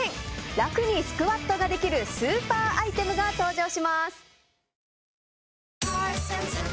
楽にスクワットができるスーパーアイテムが登場します。